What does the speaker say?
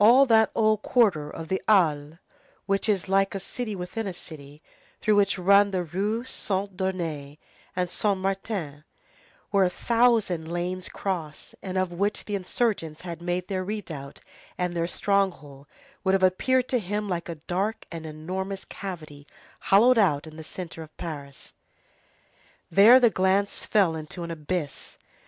All that old quarter of the Halles, which is like a city within a city, through which run the Rues Saint Denis and Saint Martin, where a thousand lanes cross, and of which the insurgents had made their redoubt and their stronghold, would have appeared to him like a dark and enormous cavity hollowed out in the centre of Paris. There the glance fell into an abyss.